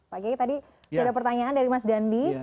pak kiai tadi sudah ada pertanyaan dari mas dandi